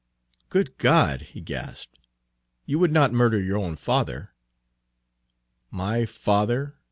"Good God!" he gasped, "you would not murder your own father?" "My father?"